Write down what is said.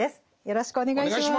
よろしくお願いします。